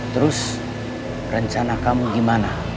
terus rencana kamu gimana